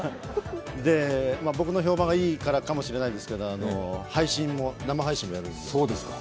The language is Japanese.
僕の評判がいいからかもしれないんですけど生配信もやるので。